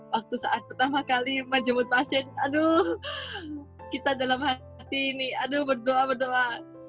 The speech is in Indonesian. waktu saat pertama kali menjemput pasien aduh kita dalam hati ini aduh berdoa berdoa